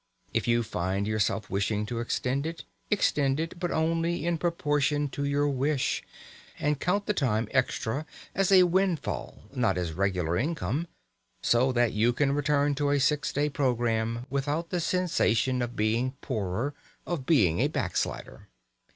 If you find yourself wishing to extend it, extend it, but only in proportion to your wish; and count the time extra as a windfall, not as regular income, so that you can return to a six day programme without the sensation of being poorer, of being a backslider.